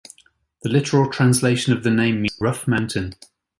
The literal translation of the name means "rough mountain".